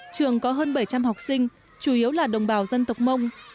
trường có hơn bảy trăm linh học sinh chủ yếu là đồng bào dân tộc mông